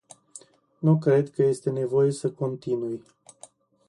Nu cred că este nevoie să continui.